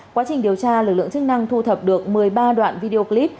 quá trình điều tra lực lượng chức năng thu thập được một mươi ba đoạn video clip